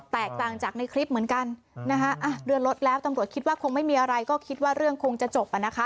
แตกต่างจากในคลิปเหมือนกันนะคะเดือนลดแล้วตำรวจคิดว่าคงไม่มีอะไรก็คิดว่าเรื่องคงจะจบอ่ะนะคะ